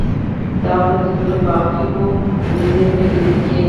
د عامو بندیانو په حقوقو یې اوږدې پرپړې لیکلې.